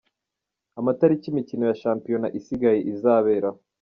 Amatariki imikino ya shampiyona isigaye izaberaho.